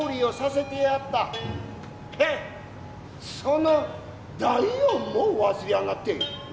その大恩も忘れやがって。